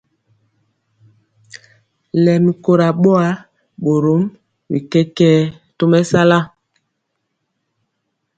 Lɛmi kora boa, borom bi kɛkɛɛ tɔ mesala.